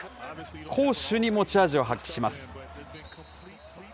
攻守に持ち味を発揮します。